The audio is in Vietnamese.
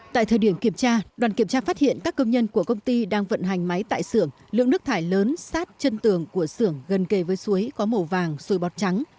tại thời điểm kiểm tra đoàn kiểm tra phát hiện các công nhân của công ty đang vận hành máy tại xưởng lượng nước thải lớn sát chân tường của sưởng gần kề với suối có màu vàng suối bọt trắng